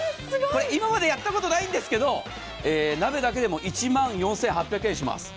今までやったことないんですけど鍋だけでも１万４８００円します。